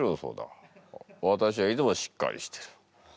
わたしはいつもしっかりしてる。